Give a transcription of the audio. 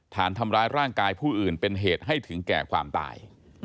ฐานทำร้ายร่างกายผู้อื่นเป็นเหตุให้ถึงแก่ความตาย